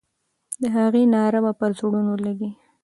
د هغې ناره به پر زړونو لګي.